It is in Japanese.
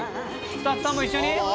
スタッフさんも一緒に？